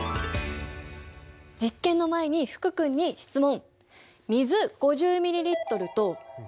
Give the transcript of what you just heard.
実験の前に福君に質問！